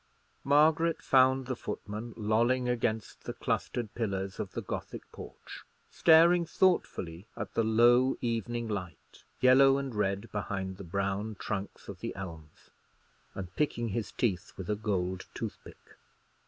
Margaret found the footman lolling against the clustered pillars of the gothic porch, staring thoughtfully at the low evening light, yellow and red behind the brown trunks of the elms, and picking his teeth with a gold toothpick.